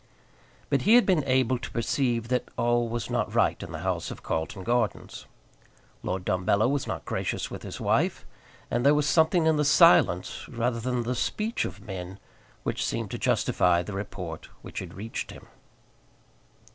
But he had been able to perceive that all was not right in the house in Carlton Gardens. Lord Dumbello was not gracious with his wife, and there was something in the silence, rather than in the speech, of men, which seemed to justify the report which had reached him.